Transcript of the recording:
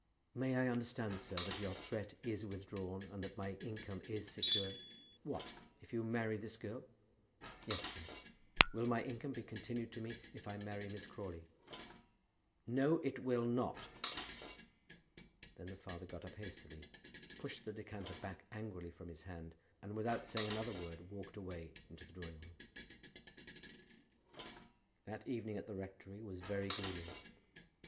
"May I understand, sir, that your threat is withdrawn, and that my income is secure?" "What, if you marry this girl?" "Yes, sir; will my income be continued to me if I marry Miss Crawley?" "No, it will not." Then the father got up hastily, pushed the decanter back angrily from his hand, and without saying another word walked away into the drawing room. That evening at the rectory was very gloomy.